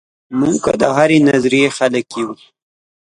موږ که د هرې سیاسي نظریې خلک یو.